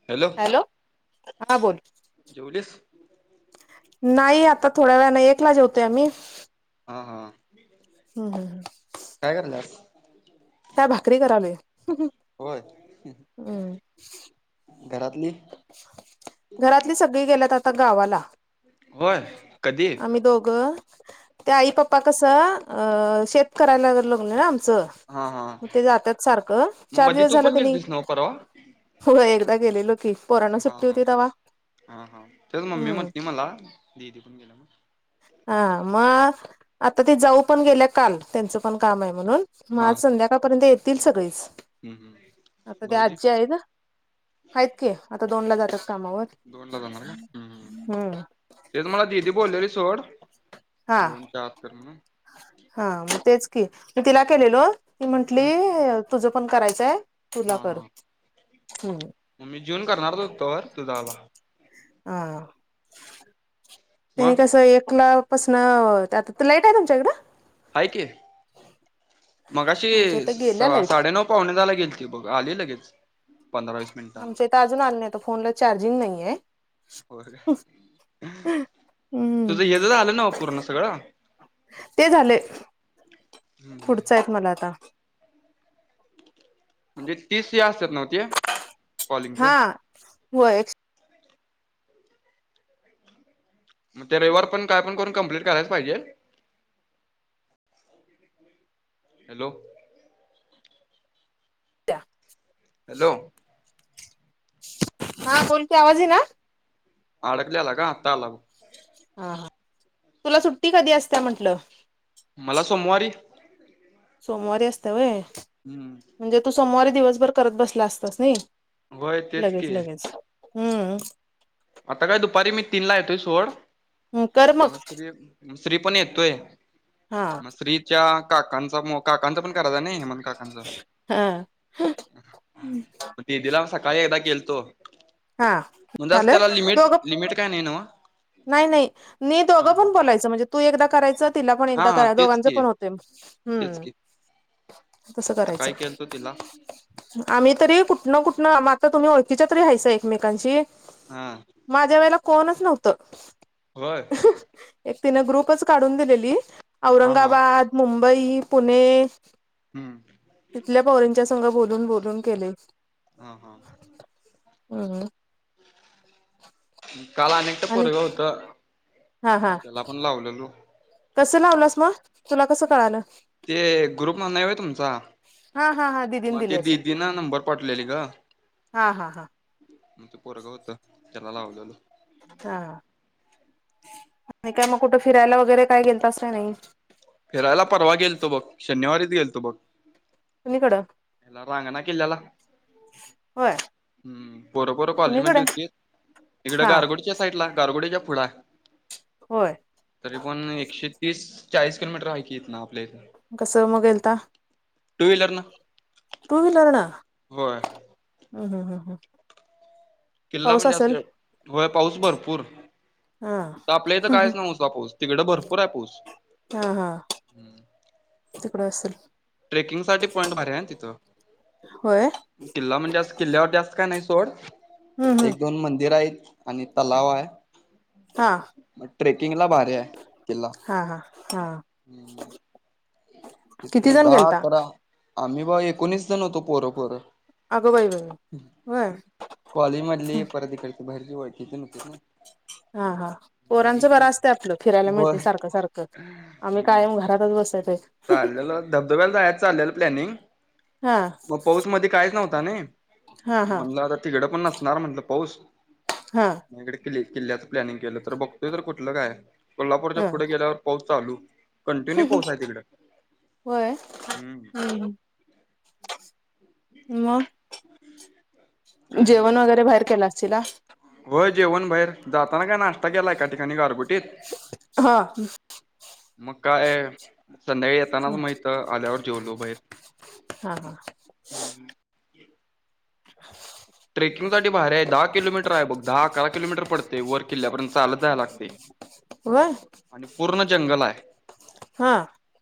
Hello! Hello! हा बोल. जेवलीस? नाही आता थोड्यावेळानी एकला जेवतोय आम्ही. हा हा! हम्म! काय करायल्यास? त्या भाकरी करालोय होय घरातली घरातली सगळी गेल्यात आता गावाला होय कधी? आम्ही दोघं त्या आई पप्पा कसं अ शेत करायला लग्न ना आमचं हा हा. मग ते जातात सारखं मग चार मध्ये दिवस तू झाला पण तनी गेलतीस नव्ह परवा? हो एकदा गेलेलो की पोरांना हा सुट्टी हा होती तवा हा हा तेच मम्मी हम्म म्हटती मला हा मग आता ते जाऊ पण गेल्या काल त्यांचं पण काम आहे म्हणून मग हा आज हा. संध्या पर्यंत येतील सगळेच आता ते आजी आहेत ना ह आहेत की आता दोन ला जातात कामावर दोनला जाणार का? हम्म हम्म तेच मला दिीदी बोललेली सोड हा दोन चार तर म्हणा हा मग तेच की मी तिला केलेलो ती म्हंटली मग तुझं पण करायचंय हा तुला कर हा. ह मग मी जिवून करणार होतो तर तुझा आला ह त्यांनी मग कस एकला पासन आता तर लाईट आहे तुमच्याकडं आहे की मगाशी आमच्या इथं गेल्या लाईट साडेनऊ पावणेदहाला गेलती बघ आली लगेच पंधरा वीस मिनिटांन. आमच्या इथं अजून आली नाही तर फोनला चार्जिंग नाहीये हो हम्म तुझं येण झालं न्हवं पूर्ण सगळं ते झाले हम्म. पुढच आहेत मला आता म्हणजे तीस असतात नव्ह ते कॉलिंगच हा होय ते रविवार पर्यंत काय पण करून कम्प्लीट करायलाच पाहिजे हॅलो हॅलो हा बोल की आवाज येई ना अडकल्याला ग आता आला हा हा तुला सुट्टी कधी असते म्हंटलं मला सोमवारी सोमवारी असते वय हम्म म्हणजे तू सोमवारी दिवसभर करत बसला असतास नाही होय तेच लगेच की लगेच हम्म आता काय दुपारी मी तीन ला येतोय सोड मग श्री पण येतोय हा मग श्री च्या काकांचा मो काकांच पण करायच नाही हेमंत काकांच हा म दिदीला सकाळी एकदा गेलतो हा त्याला लिमिट दोघं लिमिट काय नाही न्हवं नाही नाही मी दोघं पण बोलायचं म्हणजे तू एकदा करायचं तिला पण हा एकदा हा करा तेच दोघांचे की पण होते तेच हम्म की कसं, करायचं? सकाळी केलतो तिला आम्ही तरी कुठनं - कुठनं, म आता तुम्ही, ओळखीच्या तरी हायसा. एकमेकांचीं. हा. माझ्या वेळेला, कोणच नव्हतं. व्हय. एक तिनं, ग्रुपच काढून दिलेली. हा हा औरंगाबाद मुंबई, पुणे हम्म. तिथल्या पोरींच्या संघ, बोलून - बोलून केले. हा, हा. हम्. काल आने ते आणि पोरग होतं. हा हा त्याला पण लावलेलो. कसं लावलंस मग? तुला कसं कळालं? ते ग्रुप मन नाही वय तुमचा? हा हा हा दिदीन मग दिली ते असेल दिदीनं, नंबर पाठलेले गं. हा हा हा अ ते पोरगं होतं, त्याला लावल्याल. हा. आणि काय कुठं? फिरायला वगैरे काही, गेलतास का नाही? फिरायला, परवा गेलतो बघ. शनिवारीच गेलतो बघ. कुणीकडं? ह्याला रांगणा किल्ल्याला होय हम्म. पोरं - पोरं कॉलेज मधली कुणीकडे होती. तिकडं, हा गारगोटच्या स् साईटला. गारगोडे्याच्या फुड हाय. होय? तरी पण एकशे- तीस, चाळीस किलोमीटर हाय की. हितन, आपल्या इथनं. कसं, म गेलता? टू व्हीलरनं. टू व्हीलरनं? हम्, हम्, हम्. किल्ला म्हणजे असे. होय, पाऊस भरपूर. हा त आपल्या इथं, कायच हा नव्ह ता पाऊस. तिकडं, भरपूराय पाऊस. हा, हा. तिकडं असल. ट्रेकिंगसाठी पॉइंट भारी हाय न तिथं. होय किल्ला म्हणजे असं. किल्ल्यावरती जास्त काय नाही, सोड. हम्म हम्म एक - दोन मंदिरायत. आणि तलावाय. हा ट्रेकिंगला भारीहाय, किल्ला. हा, हा. हां. किती? दहा- अकरा. आम्ही ब एकोणीस जण होतो. पोरं- पोरं. आगं! बाई! बाई! बाई! होय. कॉलेज मधली. परत इकडची, बाहेरची ओळखीची न येतेत नं. हा, हा. पोरांचं बरं असत, आपलं. फिरायला मिळतय होय सारखं - सारखं. आम्ही कायम, घरातच बसयतेत. चाललेलं. धबधब्याला जायाच चाललेलं प्लॅनिंग. हा मग पऊस मध्ये काहीच नव्हता, नाही. हा हा म्हणलं आता, तिघडं पण नसणार म्हणलं, पाऊस. हा. इकडे किल्ले - किल्ल्याचं प्लॅनिंग केलं तर, बघतोय तर, कुठलं काय? कोल्हापूरच्या हा पुढे गेल्यावर, पाऊस चालू. कंटिन्यू पाऊस हाय तिकड. होय. [unintelligible] हम्म, मग काही नाही बघं, जेवण निवांत. वगैरे बाहेर केला असशीला होय, जेवण बाहेर. जाताना काय नाश्ता केला एका ठिकाणी गारगुटीत. हं. मग काय? संध्याकाळी येताना हा मग इथ आल्यावर जेवलो बाहेर. हा ट्रेकिंगसाठी भारीय. दहा किलोमीटर आहे बघ. दहा, अकरा किलोमीटर पडते, वर किल्ल्यापर्यंत चालत जायला लागते. व्हय. आणि पूर्ण जंगल हाय. हा.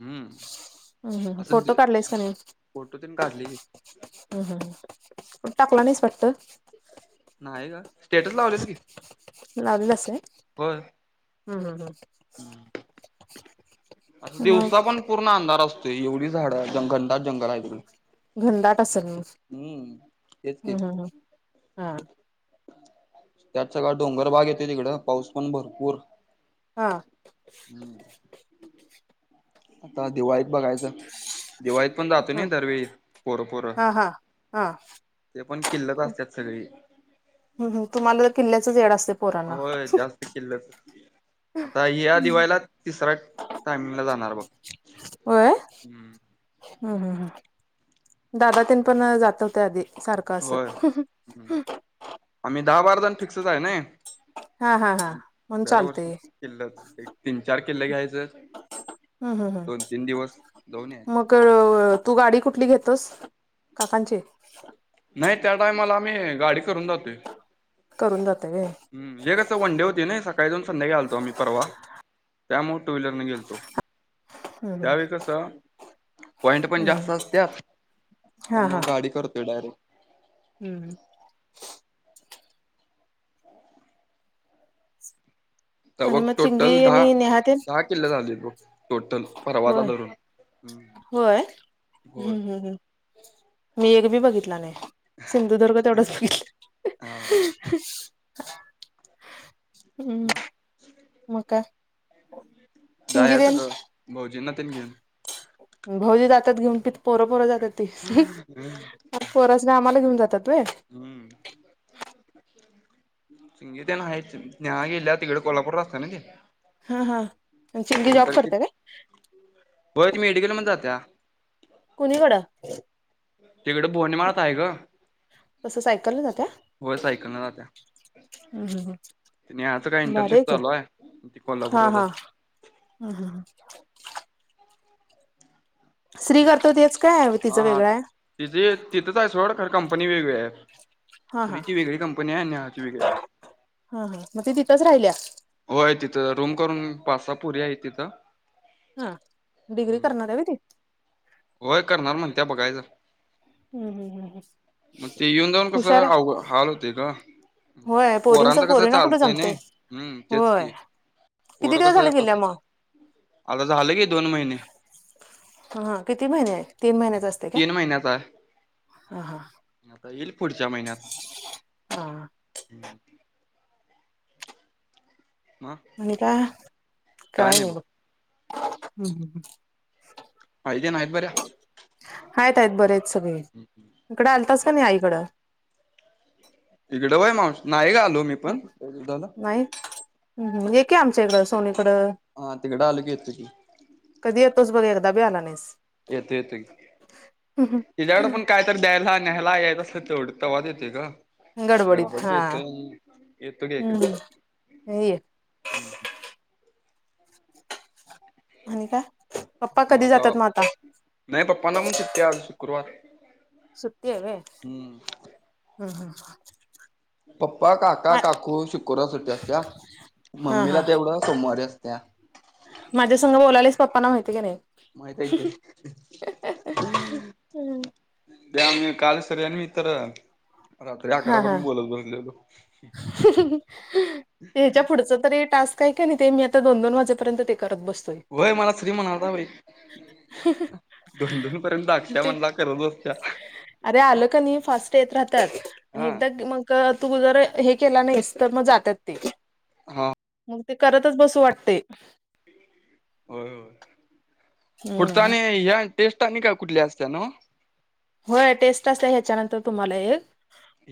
हम्म. हम्म हम्म, असं फोटो काढलेस का नाही? फोटो ते न काढले की. हम्म हम्म, पण टाकला नाहीस वाटत? नाही का? स्टेटस लावलेलं की. लावलेलास काय? होय हम्म हम्म हम्म. असं हम दिवसा मग पण पूर्ण अंधार असतोय. एवढी झाडं जंगल आहे तिकडे घनदाट असल मग. हम्म तेच की हम्म हम्म हम्म, हा. त्यात सगळा डोंगरभाग येतोय तिकडं. पाऊस पण भरपूर. हा. आता दिवाळीत बघायचं. दिवाळीत पण जातो हा ना दरवेळी पोरं पोरं, हा हा हा ते पण किल्लक असतात सगळी. हम्म हम्म, तुम्हाला [unintelligible] किल्ल्याच वेड असतय पोरांना. होय [unintelligible] आता या दिवाळीला तिसऱ्या टायमिंग ला जाणार बघ. हम्म हम्म हम्म, दादा ते न पण जात होते आधी. सारखं होय असं. आम्ही दहा, बारा जण फिक्सच आहे नै. [unintelligible] हा हा हा म्हणून [unintelligible] चालतंय एक, तीन, चार किल्ल घ्यायचं. हम्म हम्म दोन तीन हम्म, दिवस जाऊन यायचं मग तू गाडी कुठली घेतोस? काकांची? नाही, त्या टाईमाला आम्ही गाडी करून जातोय. करून जाताय व्हय. हम्म, हे कसं वनडे होती ना, सकाळी जाऊन, संध्याकाळी आलतो, आम्ही परवा. त्यामुळे टू व्हीलरने गेलतो. हम्म त्यावेळी कस? पॉईंट पण हम्म हम्म जास्त असत्यात, हा हा त्यामुळं गाडी करतोय डायरेक्ट. हम्म. तर बघ, आणि मग चिंगी टोटल दहा, आणि नेहा तेन दहा किल्ले झालेत बघ. टोटल परवाचा होय धरून. होय, हम्म होय हम्म हम्म. मी एक बी बघितला नाही. सिंधुदुर्ग तेवढाच बघितलं. हा. हम्म, मग मग काय? जाच चिंगी तेन यातनं भाऊजींना त्यांनी घेऊन भाऊजी जातात घेऊन प पोरं पोरं जातात ती पोर ती पोर आम्हाला घेऊन जातात व हम्म. त तर आहेच नेहा गेल्या तिकडे कोल्हापूर राहत्या ना ते? हा हा, चांगली जॉब करते काय? वय ती मेडिकल मध्ये जात्या कुणीकडं तिकड बोडे माडात आहे ग. कसं सायकलनं जात्या? हो सायकल न जात्या. हम्म हम्म नेहाचं काय हम्म भारी इंटर्नशिप की चालू आहे, ती कोल्हापूरलाच असते. हम हम श्री असते करतो तेच काय, तिचं वेगळं आहे. तिचे तिथंच आहे सोड खर कंपनी वेगळी आहे हा हा श्री ची वेगळी कंपनी आहे आणिे हाची वेगळी आहे. हा हा, मग ती तिथंच राहिल्या. वय तिथं रूम करून पाच सहा पोरी आहे तिथं. हा डिग्री हम्म. करणार आहे वय ती. होय करणार म्हणत्या बघायचं. हम्म हम्म हम्म मग ते येऊन जाऊन कस हुशार आहे अ हाल होते ग. होय पोरींच पोरांच कसं पोरींना कुठं चालतंय ना जमतंय हम्म तेच होय की किती पोर दिवस कस झाले गेल्या कस मग आता झालं की दोन महिने. ह किती महिने आहे तीन महिन्याचा असत. तीन महिन्याचा. हा हा. आता येईल पुढच्या महिन्यात. हां. मग आणि काय? काय नाही बघ, हम्. आई तेन हाय बर्या? हाईट हाईट बरे आहेत सगळे. [unintelligible] इकडें आलतास की नाही आईकडं. तकडें वई माणस नाही ग आलू मी. पण लय दिवस झालं नाही एके आमच्या इकडं सोनीकडं. हा तिकडें आलो की येतो की. कधी येतोस बघ एकदा बी आला नाहीस. येतो येतो तिच्या्याकड पण काय. तर द्यायला न्यायला यायचं तसं तेवढ तवाच येते ग. गडबडीत हा हम्म हे.. हम्म. आणि का? म आता नाही पप्पांना पण सुट्टी आज शुक्रवार. सुट्टी आहे वय, हम्म हम् हम्. पप्पा, काका, काकू शुक्रवार सुट्टी असत्या हा मम्मीला हा तेवढ सोमवारी असत्या. माझ्यासघ बोलायलेच पप्पाना माहिती की नाही. माहित आहे की. त्या कालच सगळ्यांनी मी तर. रात्री आकरा हा हा पर्यंत बोलत बसलेलो. [unintelligible] ते ह्याच्या पुढचं तररी टास्क आहे का नाही? ते मी आता दोन - दोन वाजेपर्यंत ते करत बस होय मला श्री म्हणालता बई. दोन दोन पर्यंत अक्ष्या ते म्हणला करत बसत्या. अरे आलं का नाही फास्ट येत राहत्यात. आणि हा एकदा ग मग तू जर हे केला नाहीस तर मग जातात ते. हा. मग ते करतच बसू वाटतय. होय - होय. पुढच हम्म आणि ह्या टेस्ट आणि का कुठल्या असत्या न्हवं. होय टेस्ट असत्या ह्याच्यानंतर तुम्हाला एक.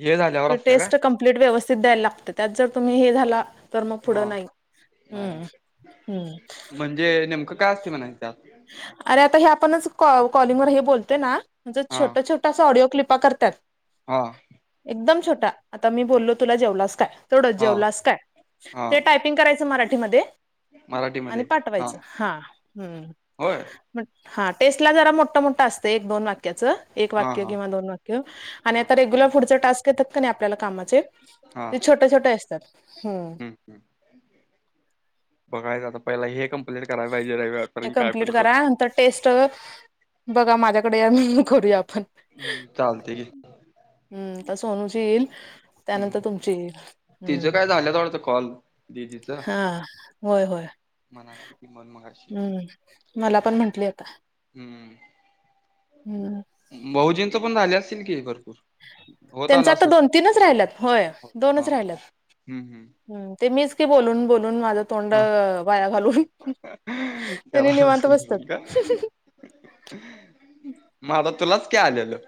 हे झाल्यावर ती असत्या काय टेस्ट कं प्लेट व्यवस्थित द्यायला लागत्या. त्यात जर तुम्ही हे झाला तर मग पुढं हा नाही. हम्म. हम्म. जे नेमकं काय असतय? म्हणायच त्यात. अरे आता हे आपणच कॉ - कॉलिंगवर हे बोलतय ना? म्हजे हा छोट -छोट त अस ऑडिओ क्लिपा करत्यात. हा. एकदम छोटा. आता मी बोललो -तुला जेवलास काय? तेव्हडंच. हा जेवलास काय? हा ते टायपिंग करायचं मराठीमध्ये. आणि पाठवायचं. हा हम्म. होय? हा टेस्ट ला जरा मोठं मोठं असतंय. एक -दोन वाक्याचं. एक हा वाक्य हा किंवा दोन वाक्य. आणि हा आता रेग्युलर पुढचे टास्क येतात का नाही आपल्याला कामाचे - हा - ते छोटे - छोटे असतात. हम्म. हम्म बघायचं आता. पहिला हे कं कीलर कराय पाहिजे. रविवार ते पर्यंत काय पण कम्प्लीट करा करून. नंतर टेस्ट बघा माझ्याकडे या म्हणून करूया आपण. हम्म चालतय घे. [inaudible] हम्म तर सोनूची येईल. त्यानंतर हम्म तुमची येईल. तिचं हम्म काय झाल्यात वाढतं कॉल. हा होय -होय. म्हणालती ती पण मगाशी. हम्म मला पण म्हंटली आता. हम्म. हम्म. भाऊजींच पण झाले असतील की भरपूर. होत त्यांच आलं आता असेल दोन - तीनच राहिल्यात. होय हा दोनच हा राहिल्यात. हम्म हम्म ते मीच की बोलून -बोलून माझं तोंड हा वाया घालवून. तेनी निवांत बसत्यात. माझ तुलाच की आलेलं.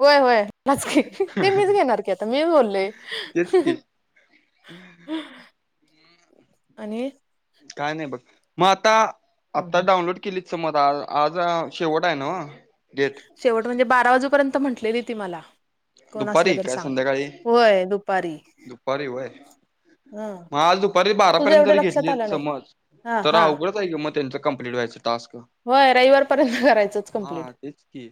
होय होय बास घे. ते मीच घेणार की आता मीच बोललोय. तेच की आणि? काय नाही बघ. मग आता हम्म, -आता हम्म. डाउनलोड केलीत समज. आज आज शेवट आहे नव्ह गे शेवट म्हणजे बारा वाजूपर्यंत म्हटलेली ती मला. कोण दुपारी असलं तर काय सांग संध्याकाळी. होय दुपारी दुपारी वय- हा मग आज दुपारी तुझं बारापर्यंत एवढं तरी लक्षात घेतली आलं नाही समज. हा तर हा अवघडच आहे की मग त्यांचं कमप्लीट व्हायचं टास्क. होय रविवार पर्यंत करायचंच हा कम्प्लीट, तेच की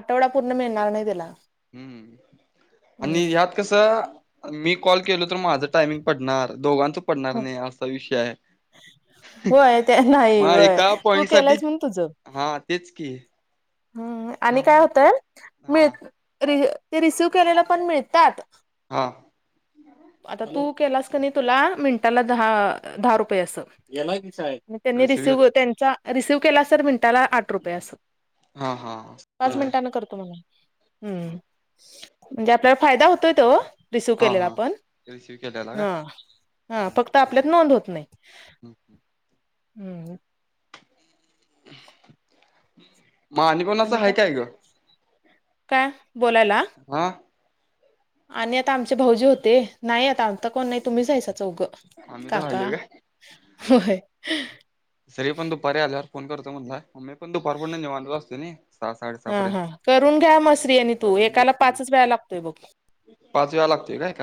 आठवडा पूर्ण मिळणार नाही त्याला. हम्म आणि हम्म ह्यात कसं. मी कॉल केलो तर, माझं टायमिंग पडणार दोघांच पडणार नाही असा विषय आहे. होय ते नाही मग होय एका तू पॉइंट साठी केलायस म्हणून तुझं हा तेच की- हम्म आणि काय त्यामुळे होतय मिळ हा ते रिसिव केलेला पण मिळतात. हा आता तू केलास की नाई तुला मिनटाला दहा रुपये असं. त्यांनी रिसिव केला रिसीव्ह त्यांचा रिसीव्ह केला सर मिनिटांचा आठ रुपये असतात. हा हा पाच मिनिटांना करतो म्हनाव की. हम् म्हणजे आपल्याला फायदा होतोय तो रिसिव्ह हा केलेला हा आपण. रिसिव केलेला का? हा फक्त आपल्यात नोंद होत नाही. ह ह हम् मा आणि कुणाचं आहे काय आहे गं. काय बोलायला? हा आणि आता आमचे भाऊजी होते. नाही आता, आता कोण नाही तुम्ही हायसा चौघं आम्ही तर काका, राहिलोय काय होय तरी पण दुपारी आल्यावर फोन करतो म्हणलाय मी पण दुपार पासन निवांत असतोय. हा हा करून घ्या म श्री आणि तू करून एकाला घेतो पाचच की वेळा लागतोय बघ. पाच वेळा लागतोय काय एकाला?